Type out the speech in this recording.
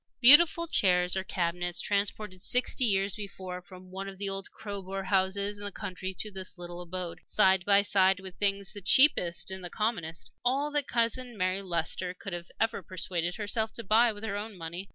Beautiful chairs, or cabinets transported sixty years before from one of the old Crowborough houses in the country to this little abode, side by side with things the cheapest and the commonest all that Cousin Mary Leicester could ever persuade herself to buy with her own money.